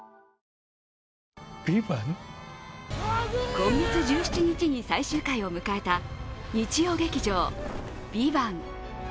今月１７日に最終回を迎えた日曜劇場「ＶＩＶＡＮＴ」。